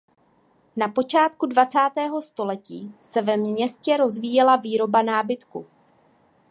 Na počátku dvacátého století se ve městě rozvíjela výroba nábytku.